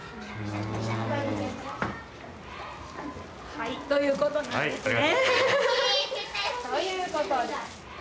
はいということなんですね。